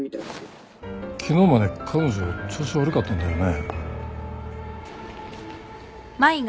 昨日まで彼女調子悪かったんだよね？